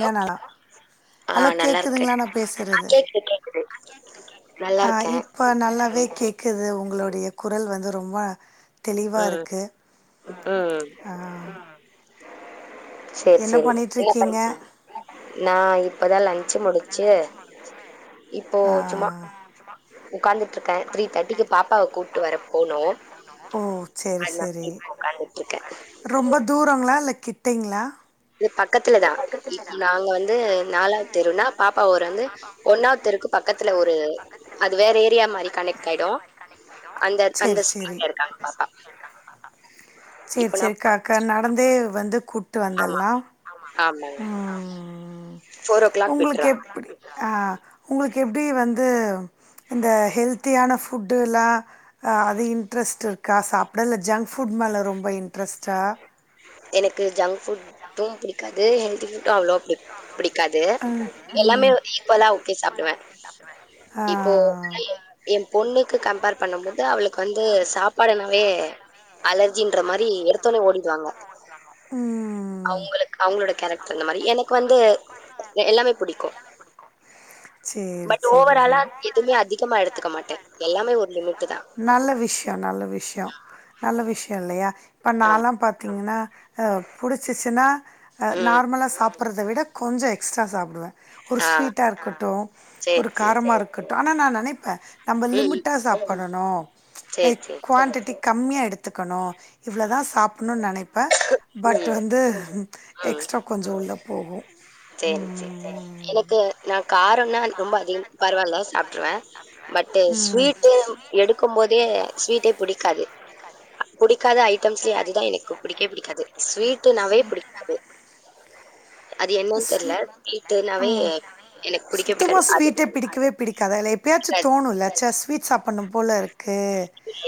Hello ஆ hello நல்லா இருக்கே கேக்குதுங்களா நா ஆ பேசுறது கேக்குது கேக்குது ஹா கேக்குது கேக்குது நல்லா ஹ இருக்கே இப்ப நல்லாவே கேக்குது உங் உங்களுடைய குரல் வந்து ரொம்ப தெளிவா ம் இருக்கு ம் ஆஹா ம் சேர் சேரி என்ன பண் நா இரு நா இப்பதா லஞ்சு முடுச்சு ஆஹா இப்ப சும்மா உக்காந்து ட்ருக்கே த்ரீ தேட்டிக்கு பாப்பாவ கூட்டு வர போனு ஓ சேரி அதா சேரி இப்போ உக்காந்துட்ருக்கே கிட்டிங்களா இது பக்கத்துல தா இப்பி நாங்க வந்து நாலாவது தெருனா பாப்பா ஓராந்து ஒன்னாவது தெருக்கு பக்கத்துல ஒரு அது வேற ஏர் ரியா மாரி கனெக்ட் ஆயிடு அந்த அந்த சேரி சேரி ஸ்ட்ரீட்ல இருக்காங்க பாப்பா சேரி இப்ப நா சேரி க போய் க நடந்தே வந்து கூட்டு வந்தெல்லா ஆமா ஆமாங்க உம் ஃபோர் ஓ கிளாக் உங்குளுக்கு விட்ருவா எப்டி அஹா உங்குளுக்கு எப்டி வந்து இந்த ஹெல்த்தியான ஃபுட் ஃபுட்டுல்லா அஹ அது இட்ரெஸ்ட் இருக் கா சாப்பிடல்ல ஜங்க் ஃபுட் மேல ரொம்ப இன் ட்ரஸ்சா எனக்கு ஜங்க் ஃபுட்டு பிடிக்காது ஹெல்தி ஃபுட்டு அவ்ளோ பிடிக் பிடி க்காது ம் எல்லாமே ம் ஈக்கோலா ஊத்தி சாப்புடுவே ஆ இப்போ [unintelligible] என் பொண்ணுக்கு கம்பேர் பண்ணும் போது அவுளுக்கு வந்து சாப்பாடுனாவே அலர்ஜின்ற மாரி வெரு த்தோன ஓடிடுவாங்க ம் அவுங்களுக் அவுங்களோட கேரக்டர் இந்த மாரி எனக்கு வந்து எல்லாமே புடிக்கும் சேரி பட் சேரி ஓவராலா சேரி எதுவுமே அதிகமா எடுத்துக்க மாட்டேன் எல்லாமே ஒரு லிமிட்டுதா நல்ல விஷ்யோ யா ப்ப நாலாம் பாத்தீங்கன்னா அஹ் புடிச்சிச்சுன்னா ம். நார்மலா சா ப்றத விட கொஞ்சம் எக்ஸ்ட்ரா சாப்டுவேன் ஒரு ஆ. ஸ்வீட்டா இருக்கட்டும் சரி, ஒரு சரி. காரமா இருக்கட்டும் நான் நினைப்பேன் நம்ம ம், ம். லிமிட்டா சாப்ட ணும் சரி, லைக் சரி. குவான்டிட்டி கம்மியா எடுத்து கத்துக்கணும் இவ்வளோ தான் சாப்பிடணும்னு நினைப்பேன் பட் ம், வந்து எக்ஸ்ட்ரா கொஞ்சம் உள்ள போகும் செரி செரி எனக்கு நான் காரம்னா ரொம்ப அதிகம் பரவாயில்ல சாப்டுருவேன் பட் ம் ஸ்வீட்டு எடுக்கும் போதே ஸ்வீட்டே புடிக்காது புடிக்காத ஐட்டம்ஸ்லயே அதுதான் எனக்கு பிடிக்கவே பிடிக்காது ஸ்வீட்னாவே பிடிக்காது அது என்ன உஹம் பிடிக்கவே சுத்தமா பிடிக்காது. அது ஸ்வீட்டே பிடிக்கவே பிடிக்காத இல்ல எப்பயாச்சும் பிடிக்காது. தோணும்ல்ல ஸ்வீட்ஸ் சாப்பன்னும் போல இ ருக்கு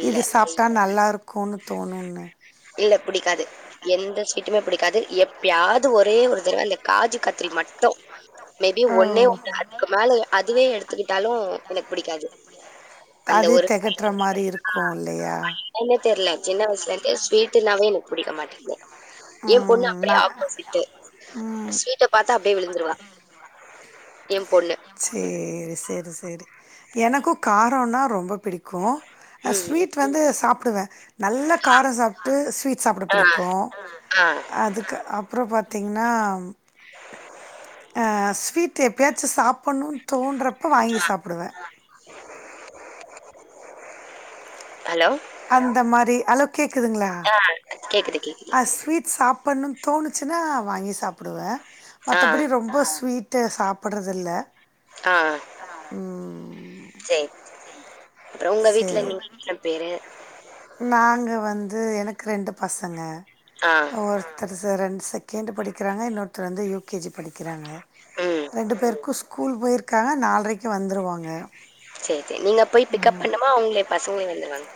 இல்ல, இது சாப்டா நல்லா இருக்கும்ன்னு தோணும்ணு டுமே பிடிக்காது எப்பயாவது ஒரே ஒரு தடவை அந்த காஜு கத்து லி மட்டும் மேபி ஓ ஒன்னே ஒ அதுக்கு மேல அதுவே எடுத்துக்கிட்டாலும் எனக்கு பிடிக்காது அந்த அது ஒரு தெகட்ற மாரி ஆ இருக்கும் இல்லயா என்னன்னே தெர்ல சின்ன வயசுலருந்தே ஸ்வீட்டுனாவே எனக்கு பிடிக்க மாட்டேங்குது. என் பொண்ணு ம் அப்படியே நா ஆப்போசிட்டு. உம் ஸ்வீட்ட பாத்தா அப்படியே விழுந்துருவா என் பொண்ணு சேரி சேரி சேரி எனக்கும் காரம்னா ரொம்ப பிடிக்கும் ம். ஸ்வீட் வந்து சாப் டுவே நல்ல காரம் சாப்டு ஸ்வீட் சாப்பிட ஆ, பிடிக்கும் ஆ. அதுக்கு அப் அப்புறம் பாத்தீங்கன்னா அஹ் ஸ்வீட் எப்பயாச்சும் சாப் பனும் தோன்றப்ப வாங்கி சாப்டுவேன் ஹலோ? அந்த மாரி ஹலோ கேக்குதுங்களா ஆ கேக்குது கேக்குது. அ ஸ்வீட் சாப்பன்னுன் தோணுச்சுன்னா வாங்கி சாப்பிடுவே ஆ, மத்தபடி ரொம்ப ஸ்வீட் ட்டு சாப்புடறதில்ல ஆ சரி அப்றொ ஒங்க வீட்டுல சேரி நீங்க எத்ன பேரு நாங்க வந்து எனக்கு ரண்டு பசங்க ஆ. அ ஒரு [unintelligible] ரெண்டு செகண்ட் படிக்கறாங்க இன்னொருத்தர் வந்து யூ கே ஜி படிக் கிறாங்க ம். ரெண்டு பேருக்கு ஸ்கூ ஸ்கூல் போயிருக்கா நாலரைக்கு வந்துருவாங்க சரி சரி நீங்க போய் பிக்கப் பண்ணமா அவங்களே பசங்களே வந்துருவாங்க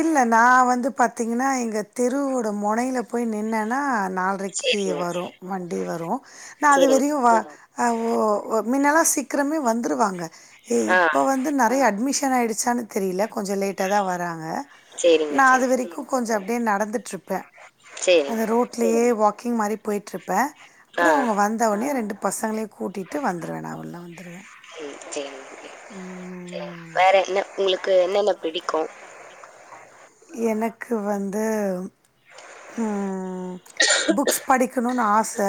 இல்ல நா வந்து பாத்தீங்கன்னா எங்க தெருவோட மொனையில போய் நின்னன்னா நாலரைக்கு சரிங்க, வரு வண்டி வரு நா அது சரிங்க. வரையு ஆ உ ஒ மின்னெல்லா சீக்கிரமே வந்துருவாங்க ஏ ஆ, இப்ப வந்து நெறைய அட்மிஷன் ஷன் ஆயிடுச்சானு தெரியல கொஞ்சொ லேட்டாதா வராங் க சரிங்க, நா சரி. அது வரைக்கு கொஞ்சம் அப்டியே நடந்துட்டுருப் ப்ப சரிங்க. அது ரோட்லயே வாக் கிங் மாரி போயிட்டுருப் ப்ப ஆ, அப்பறொ அவங்க வந்தவோனே ரெண்டு பசங்களயு கூட்டிகிட்டு வந்துடுவே நா உள்ளே வந்துடுவே ம். சரிங்க. வேற என்ன உங்களுக்கு என்னென்ன பிடிக்கு எனக்கு வந்து உம் புக்ஸ் படிக்கணுனு ஆச ச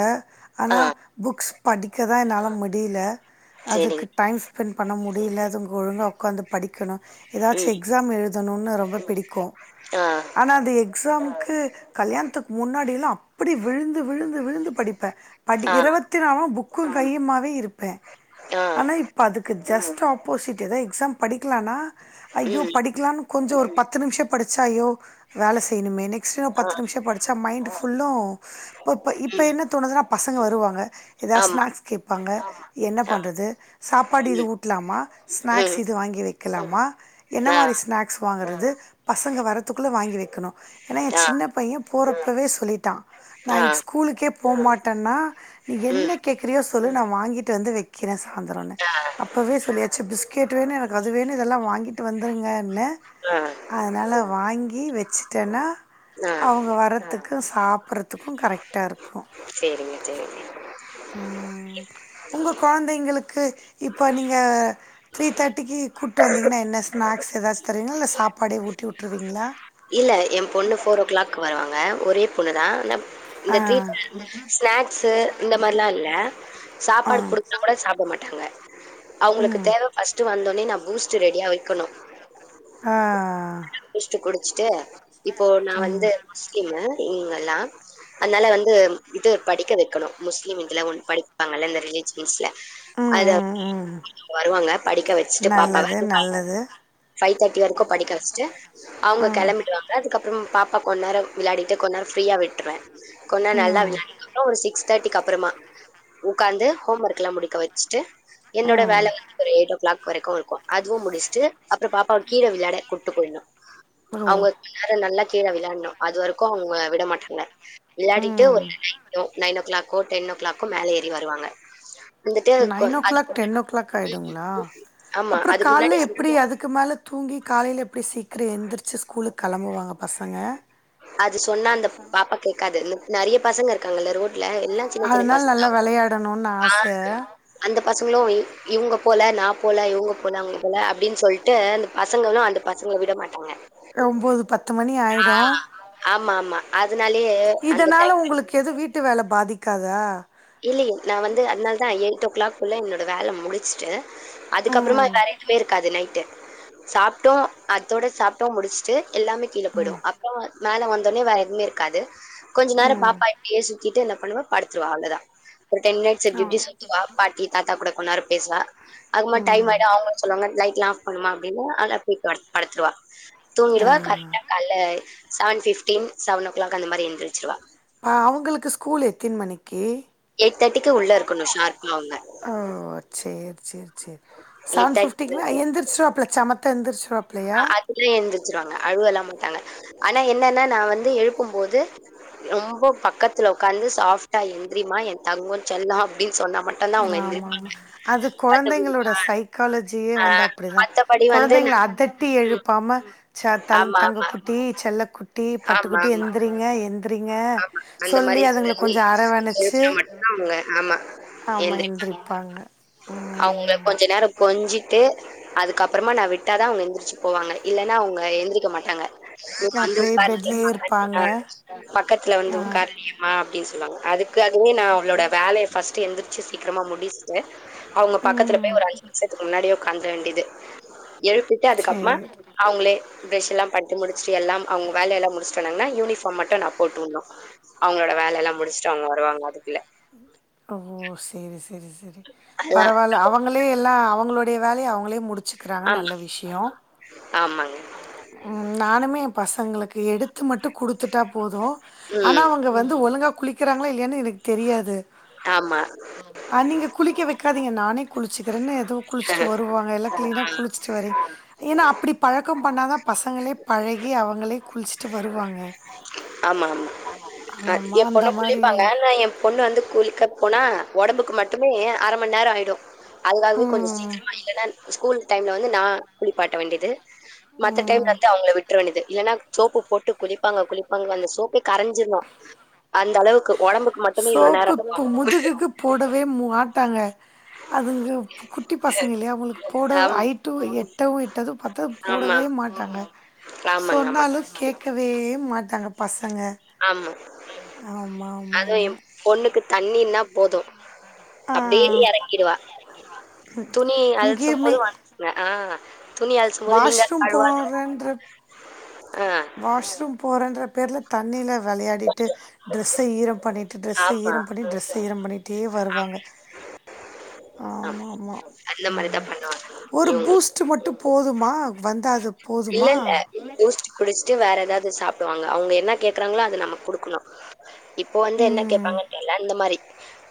ஆனா ஆ. புக்ஸ் படிக்கதா என்னால முடி டியல சேரிங்க. அதுக்கு டைம் ஸ்பெண்ட் பண்ண முடியல அதுகு ஒழுங்கா உக்காந்து படிக்கணு எதாச்சு ம். எக்ஸாம் எழுத தனுனு ரொம்ப பிடிக்கு கு ஆ, ஆனா அது எக்ஸாம்க்கு த்து கல்யாணத்துக்கு முன்னாடிெல்லா அப் இப்படி விழுந்து விழுந்து விழுந்து படிப் ப்ப படி ஆ, இருபத்தி நாலு புக் க்கு கையமாகவே இரு ப்ப ஆ, ஆனா இப்ப அதுக்கு ஜஸ்ட் ஆப்போசிட் எதது எக்ஸாம் படிக்கலனா ஐயோ ம், படிக்கலான்னு கொஞ்சோ ஒரு பத்து நிமிஷம் படிச்சாயோ வேல செய்யணுமே நெக்ஸ் ஆ, பத்து நிமிஷம் படிச்ச மைண்ட் ஃபுல்லு இப் இப்ப ம். என்ன தோணுதுனா பச பசங்க வருவாங்க ஏதாவது ஆமா. ஸ்நாக்ஸ் கேட்பாங்க என்ன ஆ, பண்றது சாப்பாடு இது ம், ஊட்டலாமா ஸ்நாக்ஸ் ம். இது வாங்கி வைக்க கலாமா என்ன ஆ, மாரி ஸ்நாக்ஸ் வாங்கறது பசங்க வரத்துக்குள்ள வாங்கி வைக்கணும் ஏன்னா என் ஆ, சின்ன பையன் போறப்பவே சொல்லிட்டான் நான் ஆ, இன்னைக்கு ஸ்கூலுக்கே போ மாட்டேன்னா நீ என்ன ம். கேக்குறயோ சொல்லு நா வாங்கிட்டு வந்து வைக்கிறேன் சந்திரோனு ஆ, அப்பவே சொல்லியாச்சு பிஸ்கெட் வேணு எனக்கு அது வேணும் இதெல்லா வாங்கிட்டு வந்துருங்கன்னு ஆ, ல்லா வாங்கி வச்ச வச்சுட்டனா ஆ. அவங்க வரதுக் க்கு சாப் றத்துக்கும் கரெக்டா இருக்கும் சேரிங்க, சேரிங்க. உ உங்க குழந்தைங்களுக்கு க்கு இப்போ நீங்க த்ரீ தேர்ட்டிக்கு கூட்டு வந்தீங்கன்னா என்ன ஸ்நாக்ஸ் ஏதாச்சும் தருவீங்களோ இல்ல சாப் படை ஊட்டி விட்ருவீங்களா இல்ல என் பொண்ணு ஃபோர் ஓ கிளாக் வருவாங்க ஒரே பொண்ணு தான் ந ஆஹ் ஸ்நாக்ஸு இந்த மாதிரிலா இல் ஆ சாப்பாடு கொடுத்தா கூட சாப்பிட மாட்டாங்க இல்ல அவங்களுக்கு ம் தேவை பர்ஸ்ட் வந்தோடனே நான் பூ ஸ்ட் ரெடியா வைக்கணும் ஆஹ் பூஸ்ட் குடிச்சுட்டு இப்போ நான் வந்து முஸ்லீம் ங்கல்லாம் அதனால வந்து இது படிக்க வைக்கணும் முஸ்லீம் இதுல ஒ படிப்பாங்கல்ல இந்த ரிலிஜியன்ஸ்ல ம் அத ம் ம் வருவாங்க படிக்க வச்சுட்டு பாப்பாவ நல்லது நல்லது ஃபைவ் தேர்ட்டி வரைக்கும் படிக்க வச்சிட்டு அவங்க ம் கிளம்பிடுவாங்க அதுக்கப்புறம் பாப்பா கொன்னார விளையாடிட்டு கொன்னாார் ஃப்ரீயா விட்டுறேன் கொஞ்சா நல்லா வி ம் ஒரு சிக்ஸ் தேர்ட்டிக்கு அப்புறமா உக்காந்து ஹோம் ஒர்க்கெலாம் முடிக்க வச்சுட்டு என்னோடய ம் வேலை வந்து ஒரு எயிட் ஓ கிளாக் வரைக்கும் இருக்கும் அதுவும் முடிச்சுட்டு அப்புறம் பாப்பாவா கீரை விளையாட கொட்டு போயிடணும் ஓ அவங்கல்லம் நல்லா கீழே விளையாடும் அது வரைக்கும் அவங்க விட மாட்டாங்க விளையாடிட்டு ம் ஒரு nine o'clock ten o'clock மேலே ஏறி வருவாங்க வந்துட்டு கொ நைன் ஓ அது கிளாக் டென் ஓ கிளாக் ஆயிடுங்களா ஆமா. அப்புறம் அதுக்கு கால முன்னாடி எப்படி அதுக்கு க்கு மேல தூங்கி காலையில எப்டி சீக்கிரம் எந்திரிச்சு ஸ்கூலு கிளம்புவாங்க பசங்க அது சொன்னா இருக்காங்க ரோட்டு ல்ல சின்ன சின்ன அதனால பச நல்லா வெளையாடணுன்னு ஆச அந்த பசங்களும் இவங்க போல நான் போல இவுங்க போனாங்க போல அப்படின்னு சொல்லி ட்டு அந்த பசங்கும் அந்த பசங்களை விட மாட் ஒம்பது பத்து மணி ஆயிடு ஆஹ் ஆமா ஆமா அதனாலயே அந்த டைம் ட்டு வேலை பாதிக்காதா இல்லையே நான் வந்து அதனால தான் எயிட் ஓ கிளாக் போல என்னோட வேலை முடிச்சுட்டு அதுக்கப்புறமா ம் வேற எதுவும இருக்காது நைட்டு சாப்பிட்டோம் அத்தோடு சாப்டோம் முடிச்சுட்டு எல்லாமே கீழே போயிடும் அப்பறம் மேலே வந்தோடனே வேற எதுவுமே இருக்காது கொஞ்ச நேரம் ம் பாாப்பிட்டே சுக்கிட்டு பண்ணுவ படுத்துறுவ அவ்ளதான் ஒரு டென் மினிட்ஸ் ஆ டியூட்டி சொ பாட்டி தா கூட கொ நேரம் பேசுவா அது மாரி டைம் ம் வேற ஆகுன்னு சொன்னாங்க லைட்லாம் ஆஃப் பண்ணன்னுமா அப்டின்னா அத அப்டியேபோய் படுத்துருவா ஆ தூங்கிடுவா கரெக்டா கால்ல seven fifteen seven o'clock அந்த மாரி எந்திறிச்சிருவா அவுங்களுக்கு ஸ்கூல் எத்தின் மணிக்கு உள்ள இருக்கணும் ஒகே ஷார்ப்பா அவங்க. ஒ செர் செர் செரி எயிட் செவன் ஃப்டிக்குலா எந்திருச்சிருவாப்புல சமத்தா எந்திரிச்சு ஆ அதுகலே எந்திரிச்சிருவாங்க அழுவல்லா மாட்டாங்க ஆனா என்னன்னா நா வந்து எழுப்பும் போது ரொம்ப பக்கத்துல உக்காந்து சாஃப்ட்டா எந்திரிமா என் தங்கோ செல்லோ அப்டின்னு சொன்னா மட்டுந்தா அவங்க ஆமா ஆமா எந்திரிப்பாங்க அது மத்தபடி கொழந்தைங்களோட சைக்காலஜியே ஆ வந்து அப்டிதா மத்தபடி வந்து நா கொழந்தைங்கள அடி அதட்டி ம் எழுப்பாம ச தல் ஆமா தங்க ஆமா குட்டி செல்ல குட்டி டி ஆமா பட்டுக்குட்டி ஆமா எந்திரீங்க எந்த ஆமா அந்த மாரி சொல்லி அரவணைச்சு எழுப்புனா மட்டும் தா அவுங்க ஆமா எந்திரிப்பாங்க அவுங்க ம் கொஞ்சோ நேரோ கொஞ்சிட்டு அதுக்கப்றோ சும்மா நா விட்டாதா அவுங்க எந்திரிச்சு போவாங்க இல்லன்னா அவுங்க எந்திரிக்க மாட்டாங்க நீ வந்து அப்டியே பாரு பெட்லயே இருப்பாங்க [unintelligible] ஆ பக்கத்துல வந்து ஆ உக்காருவியமா அப்டினு சொல்லுவாங் அதுக்கு அது னிமே நா அவலோட வேலைய ஃப்ர்ஸ்ட் எந்திர்ச்சு சீக்ரமா முடி சொல்லுவே அவுங்க பக்கத்துல ம் போய் ஒரு அஞ்சு நிமிஷத்துக்கு முன்னாடியே க்கந்தருற வேண்டியது எழுப்பிட்டு அதுக்கப்பமா சேரி அவுங்களே பேஷ்யெல்லா பண்ணிட்டு முடிச்சிட்டு எல்லாம் அவுங்க வேலையல்லாம் முடிச்சிடுவந்தாங்கன்னா யூனிஃப்ர்ம் மட்டும் தா போட்டுவுட்ணோ அவுங்களோட வேல எல்லாம் முடிச்சுட்டு அவுங்க வருவாங்க அதுக்குள்ள ஓ செரி செரி செரி செரி அதெல்லாம் பரவால்ல அவங்களே எல்லா அவுங்களுடைய வேலைய அவுங்களே முடிட் டிச்சிக்கிறாங்க நல்ல விஷயோ ஆமா உம் நானுமே என் பசளுக்கு எடுத்து மட்டும் குடுத்துட்டா போ போதும் ஆனா ம் அவுங்க வந்து ஒழுங்கா குளிக்றங்களா இல்லையான்னு எனக்கு தெரியாது ஆமா நீங்க குளிக்க வச் காதீங்க நானே குளிச்சுக்கிறேன்னு எதோ குளிச்சுட்டு வருவாங்க எல்லாம் கிளீனா குளிச்சுட்டு வரி ஏன்னா அப்படி பக்கம் பண்ணாதான் பசங்களே பழகி அவங்களே குளிச்சிட்டு வருவாங்க ஆமா ஆமா ஆமா, என் அந்த பொண்ணு மாரி குளிப்பாங்க நா என் பொண்ணு வந்து குளிக்க போனா உடம்புக்கு மட்டுமே அரை மணி நேரம் ஆகிடும் அதுக்காகவே கொஞ்சம் ம், சீக்கிரமா இல்லைன்னா ஸ்கூல் டைம்ல் வந்து நான் குளிப்பாட்ட வேண்டியது மத்த டைம்ல ம். வந்து அவங்கள விட்ற வேண்டியது இல்லன்னா சோப்பு போட்டு குளிப்பாங்க குளிப் பாங்க அந்த சோப்பை கரஞ்சிரும் அந்த அளவுக்கு ஒடம்புக்கு மட்டுமே இவ்ளோ சோப்பு நேரம். பு முதுகுக்கு போடவே மு மாட்டாங்க அதுங்க குட்டி பசங்கல்ல இல்லையா அவங்களுக்கு போட ஆம் ஐட்டும் எட்டவும் எட்டாது பாத்த ஆமா போடவே மாட்டாங்க ஆமாங்க ஆமா. சொன்னாலும் கேக் கவே மாட்டாங்க பச ங்க ஆமா. ஆமா ஆமா அதுவும் ஆமா என் பொண்ணுக்கு தண்ணின்னா போதும் ஆ அப்படியே இறக்கிடுவா துணி அலச்சும் இங்கேயுமே போது வான்னு ஆ துணி அழசும் போது நீங்க வாஷ்ரூம் கழுவாதும்ப போறேன்ற வாஷ்ரூம் போரன்ற பேர்ல தண்ணில விளையாடிட்டு டிரெஸ் ஈரம் பண்ணிட்டு டிரெஸ் ஆமா. ஈரம் பண்ணி டிரெஸ் ஈரம் பண்ணிட்டே வருவாங்க ஆமா ஆமா அந்த மாரி ம் தான் பண்ணுவாங்க. ஒரு இவங்க பூஸ்ட் மட்டும் போதுமா வந்த அத இல்ல இல்ல பூஸ்ட் குடிச் சு வேற ஏதாவது சாப்படுவாங்க அவங்க என்ன கேக்குறாங்களோ அது நம்ம குடுக்கணும் இப்போ வந்து என்ன ம் கேட்பாங்கன்னு தெரில்ல இந்த மாரி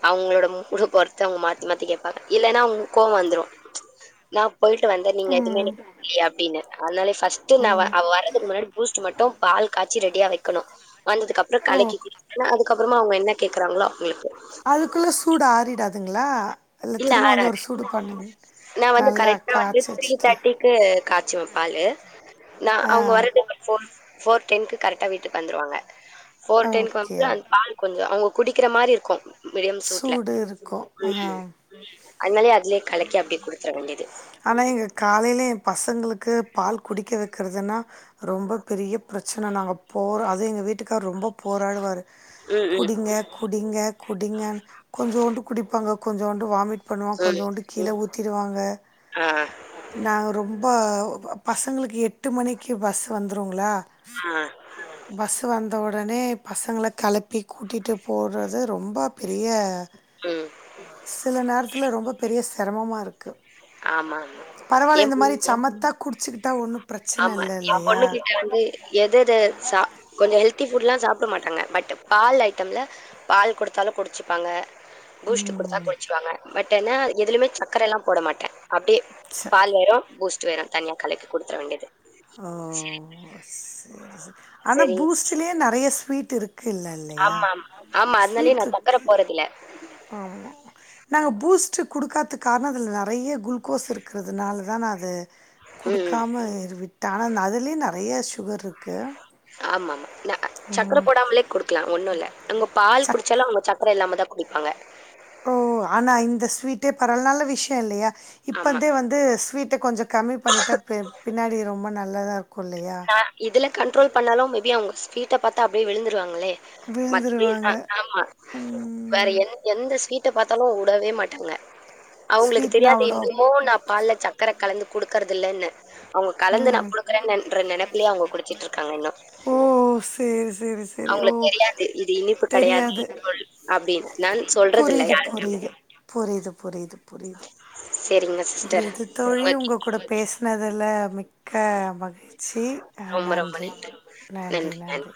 அவுங்களோட மூடு பொறுத்து அவுங்க மாத்தி மாத்தி கேப்பாங்க இல்ன்னா அவுங்க கோவம் வந்துரும் நான் போயிட்டு வந்த நீங்க எதுவுமே ம் அப்படின்னு அதனால ஃபஸ்ட் ந ம் அவ வரதுக்கு முன்னாடி பூஸ்ட் மட்டும் பால் கா ச்சுரெடியா வைக்கணு ஆன்துக்கு அப்புறோ ஓ கலக்கி குடிப்ப ன அது அப்புறோமா அவ்ங்க என்ன கேக்குறாங்களோ அதுக்குள்ள சூடு ஆறிடாது அதுங்களா இல்ல ஆறாறு நா வந்து நல்லா கரெக்டா வந்து காய்ச்சி த்ரீ வச்சுட்டு தேர்ட்டிக்கு காய்சுவன் பாலு அ நான் ஆ அவ்ங்க வர்றது போ போ டென்க்கு கரெக்டா வீட்டுக்கு வந்துருவாங்க போர் டைம் ஓகே வந்துட்டு அந்த ஓகே பால் கொஞ்சோ அவுங் குடிக்கிற மாரி இருக்கு சூடு இருக்கு ஆஹ் அண்ணாலே அதுலயே கலக்கி அப்டி குடுதர வேண்டியது ஆனா, எங்க காலையில என் பசங்களுக்கு பால் குடிக்க வைக்கிறதுன்னா ரொம்ப பெரிய பிரச்சன நாங்க போற அது எங்கள் வீட்டுக்கார ரொம்ப போராடுவாரு ம், ம், குடிங்க குடிங்க கு ங்க கொஞ்சோண்டு குடிப்பாங் கொஞ்சோண்டு வாமிட் பண்ணுவோ ம். கொஞ்சோண்டு கீழ ஊத்திடுவாங்க ஆ, நாங்கள் ரொம்ப பசங்களுக்கு எட்டு மணிக்கு பஸ் வந்துரும்ல ஆஹ் வந்த உடனே பசங்கள களப்பி கூட்டிட்டு போடுறது ரொம்ப பெரிய ம். சில நேரத்துல ரொம்ப பெரிய சிக் தெரம்மா இருக்கு ஆமா, ஆமா. பரவாயில்ல என் இந்த பொண் மாரி சமத்தா குடிச்சிக்கிட்டா ஒன்னு பிரச்சன ஆமா இல்ல என் இல்லையா பொண்ணு கிட்ட வந்து எத எத சா கொஞ்சம் ஹெல்த்தி புட் எல்லா சாப்பிட மாட்டாங்க பட் பால் ஐட்டம்ல பால் கொடுத்தாலும் குடிச்சிப்பாங்க பூஸ்ட் கொடுத்தா குளிச்சுருவாங்க பட் ன்னா எதுலுமே சர்க்கரை எல்லாம் போட மாட்டே அப்டியே ச பால் ஏரும் பூஸ்டு வெரு தண்ணிய களக்கி கொடுத்ற வேண்டியது தா ஹ செரி செரி ஆனா சரி பூஸ்ட்லயே நறைய ய் ஸ்வீட்டு இருக் இல்ல இல்லையா ஆமா ஆமா ஆமா அதனாலயே ஸ்வீட் நா சக்கர இருக்கு போறதில்ல ஆமா நாங்க பூஸ்ட்க்கு கொடுக்காது காரணோ அதில் நெறைய குளுக்கோஸ் இருக்கிறதுனால தா நா அது ம் ம் கொடுக்காம இர்விட்டு ஆனா அதுலயே நெறைய சுகர் இருக்கு ஆமா ஆமா ல அ சக்ர போடாமலே குடுக்கலா ஒன்னு இல்ல அங்க பால் சக் குடிச்சாலு அவுங்க சக்ர இல்லாம தா குடிப்பாங்க ஓ ஆனா இந்த ஸ்வீட்டே பரவால நல்ல விஷியோ இல்லயா ஆமா இப்பதே வந்து ஸ்வீட் ட் கொஞ்சோ கம்மி பண்ணிட்டா பி பின்னாடி ரொம்ப நல்ல தா இதுல கண்ட்ரோல் பண்ணாலு மே பி அவுங்க வீட்ட பாத்தா அப்டியே விழுந்துருவாங்களே மத்தி ஆ விழுந்துருவாங்க ஆமா வேற ம் எந் எந்த ஸ்வீட் விட்டுப் பாத்தாலு வுடவே மாட்டாங்க அவுங்களுக்கு ஸ்வீட்னா தெரியாது அவ்ளோ இன்னுமு நா பால்ல சக்கர கலந்து குடுக்கறதில்லன்னு ம் ன்ற‌ நெனைப்பிலேயே அவுங்க குடிச்சிட்டு ஓ செரி செரி செரி ஓ அவங்களுக்கு தெரியாது. இது இனிப்பு கிடையாது தெரியாது சொல் அப்படின்னு. நான் சொல்றதில்ல புரியிது யாருக்கும். புரியிது புரியிது புரியிது புரியிது சரிங்க ஒரு சிஸ்டர். இது தோழி உங்க கூட பேசுனதுல க மகி சி ஆ ரொம்ப ரொம்ப நன்றி நன்றி நன்றி